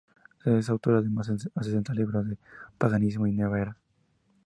Es autora de más de sesenta libros de paganismo y Nueva Era.